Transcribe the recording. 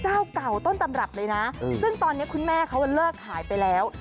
เจ้าเก่าต้นตำรับเลยนะซึ่งตอนนี้คุณแม่เขาเลิกหายไปแล้ว